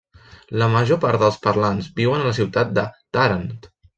La major part dels parlants viuen a la ciutat de Tàrent.